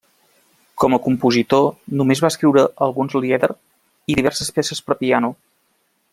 Com a compositor només va escriure alguns lieder i diverses peces per a piano.